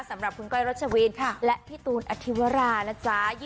สำหรับคุณก้อยรัชวินและพี่ตูนอธิวรานะจ๊ะ